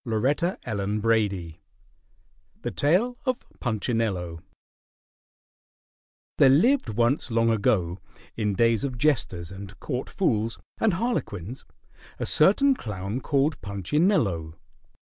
CHAPTER IV THE TALE OF PUNCHINELLO There lived once long ago, in days of jesters and court fools and harlequins, a certain clown called Punchinello.